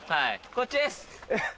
こっちです！